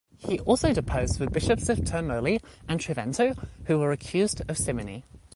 He also deposed the bishops of Termoli and Trivento who were accused of simony.